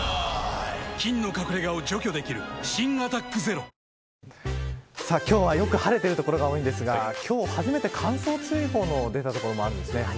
菌の隠れ家を除去できる新「アタックＺＥＲＯ」今日はよく晴れている所が多いんですが今日、初めて乾燥注意報の出た所もあるんですね。